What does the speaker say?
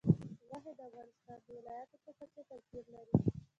غوښې د افغانستان د ولایاتو په کچه توپیر لري.